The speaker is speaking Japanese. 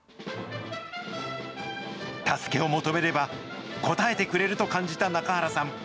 助けを求めれば、応えてくれると感じた中原さん。